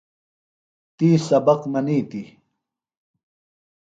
تی سبق منِیتیۡ۔